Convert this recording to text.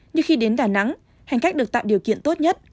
nhưng khi đến đà nẵng hành khách được tạo điều kiện tốt nhất